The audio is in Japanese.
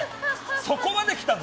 そこまで来たの？